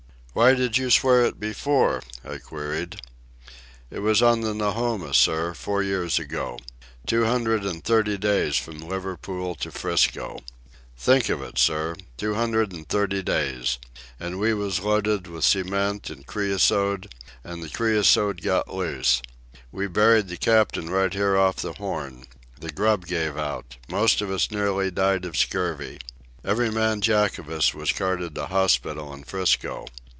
"Why did you swear it before?" I queried. "It was on the Nahoma, sir, four years ago. Two hundred and thirty days from Liverpool to 'Frisco. Think of it, sir. Two hundred and thirty days! And we was loaded with cement and creosote, and the creosote got loose. We buried the captain right here off the Horn. The grub gave out. Most of us nearly died of scurvy. Every man Jack of us was carted to hospital in 'Frisco.